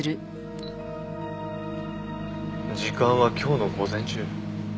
時間は今日の午前中。